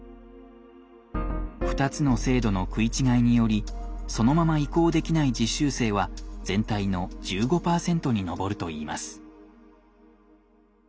２つの制度の食い違いによりそのまま移行できない実習生は全体の１５％に上るといいます。